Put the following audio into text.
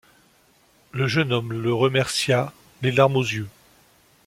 Le jeune homme le remercia, les larmes aux yeux.